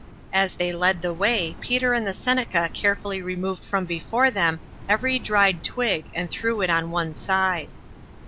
As they led the way Peter and the Seneca carefully removed from before them every dried twig and threw it on one side.